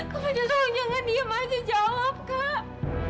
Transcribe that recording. kak fadil tolong jangan diam aja jawab kak